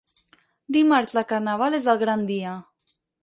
Dimarts de carnaval és el gran dia.